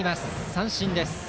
三振です。